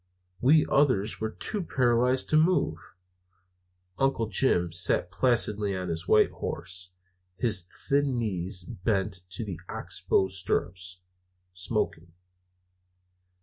We others were too paralyzed to move. Uncle Jim sat placidly on his white horse, his thin knees bent to the ox bow stirrups, smoking.